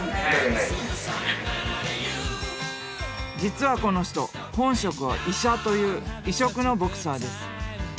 実はこの人本職は医者という異色のボクサーです。